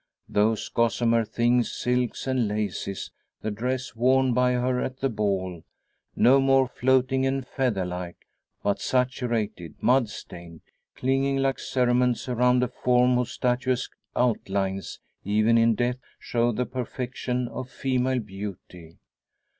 Those gossamer things, silks and laces the dress worn by her at the ball no more floating and feather like, but saturated, mud stained, "clinging like cerements" around a form whose statuesque outlines, even in death, show the perfection of female beauty.